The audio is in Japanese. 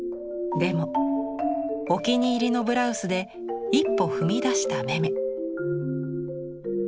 でもお気に入りのブラウスで一歩踏み出したメメ。